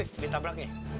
di mana be ditabraknya